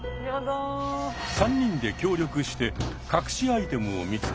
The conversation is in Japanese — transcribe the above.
３人で協力して隠しアイテムを見つけ